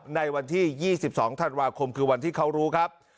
ในวันที่๒๒ธันวาคมคือวันที่เขารู้ครับ